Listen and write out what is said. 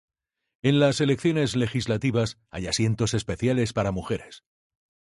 En las elecciones legislativas, hay asientos especiales para mujeres.